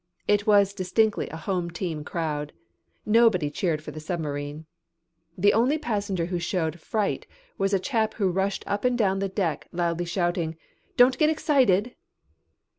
It was distinctly a home team crowd. Nobody cheered for the submarine. The only passenger who showed fright was a chap who rushed up and down the deck loudly shouting: "Don't get excited."